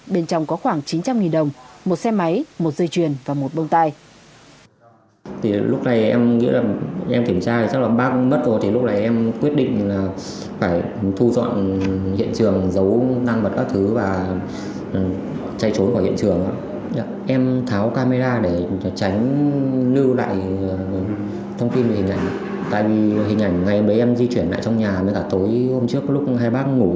bên trong có khoảng chín trăm linh đồng một xe máy một dây chuyền và một bông tay